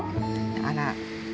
あら。